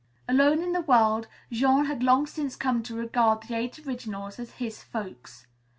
Alone in the world, Jean had long since come to regard the Eight Originals as "his folks."